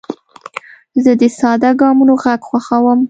زه د ساده ګامونو غږ خوښوم.